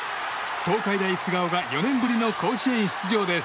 東海大菅生が４年ぶりの甲子園出場です。